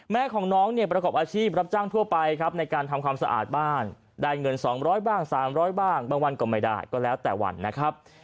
แม่ของน้องเนี่ยประกอบอาชีพรับจ้างทั่วไปครับในการทำความสะอาดบ้านได้เงิน๒๐๐บ้าง๓๐๐บ้างบางวันก็ไม่ได้ก็แล้วแต่วันนะครับ